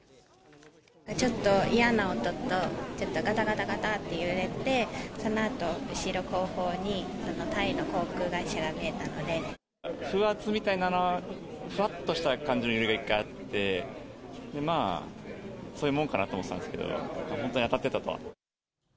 ちょっと嫌な音と、ちょっとガタガタガタって揺れて、そのあと、後ろ、後方にタイの航風圧みたいな、ふわっとした揺れみたいなのがあって、まあ、そういうもんかなと思ってたんですけど、本当に当たってたとは。